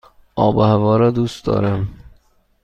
آب و هوا را دوست دارم.